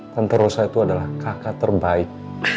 tante rosa itu adalah kakak terbaik